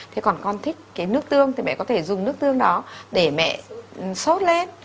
thế còn con thích cái nước tương thì mẹ có thể dùng nước tương đó để mẹ sốt lên